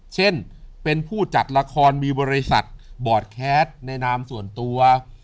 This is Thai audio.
เช่นเป็นผู้จัดละครมีบริษัทบอร์ดแคสต์ในนามส่วนตัว